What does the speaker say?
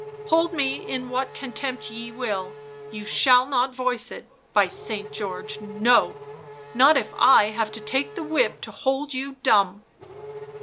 Hold me in what contempt ye will, you shall not voice it — by St. George, no !— not if I have to take the whip to hold you dumb